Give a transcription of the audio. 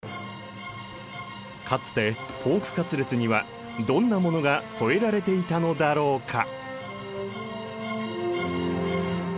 かつてポークカツレツにはどんなものが添えられていたのだろうか。